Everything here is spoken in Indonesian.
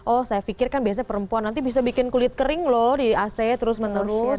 oh saya pikir kan biasanya perempuan nanti bisa bikin kulit kering loh di ac terus menerus